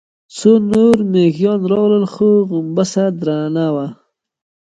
څو نور مېږيان راغلل، خو غومبسه درنه وه.